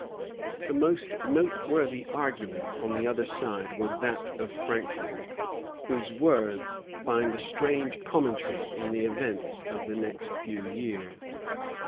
The most noteworthy argument on the other side was that of Franklin, whose words find a strange commentary in the events of the next few years.